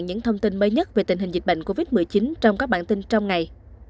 những thông tin mới nhất về tình hình dịch bệnh covid một mươi chín trong các bản tin trong ngày